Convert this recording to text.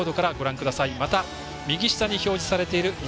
右下に表示されている